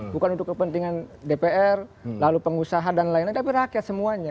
bukan untuk kepentingan dpr lalu pengusaha dan lain lain tapi rakyat semuanya